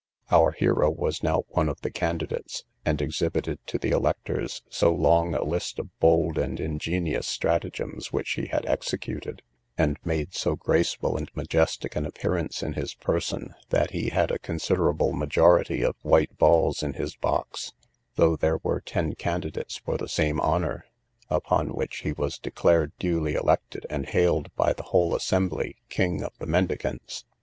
Our hero was now one of the candidates, and exhibited to the electors so long a list of bold and ingenious stratagems which he had executed, and made so graceful and majestic an appearance in his person, that he had a considerable majority of white balls in his box, though there were ten candidates for the same honour; upon which he was declared duly elected, and hailed by the whole assembly, King of the Mendicants.